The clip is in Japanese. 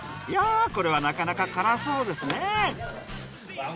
いやこれはなかなか辛そうですね。